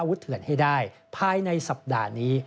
้าวุธเถือกให้ได้ภายในสัปดาห์นี้